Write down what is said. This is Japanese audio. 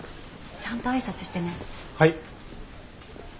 はい。